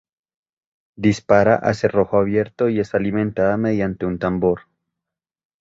Dispara a cerrojo abierto y es alimentada mediante un tambor.